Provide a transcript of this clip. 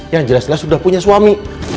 yang jelas jelas sudah punya suami